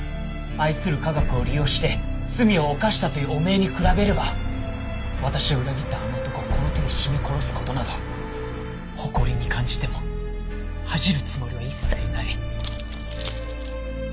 愛する科学を利用して罪を犯したという汚名に比べれば私を裏切ったあの男をこの手で絞め殺す事など誇りに感じても恥じるつもりは一切ない。